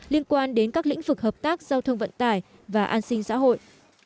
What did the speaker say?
liên quan đến các lĩnh vực hợp tác giao thông vận tải và an sinh xã hội